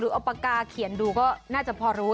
เอาปากกาเขียนดูก็น่าจะพอรู้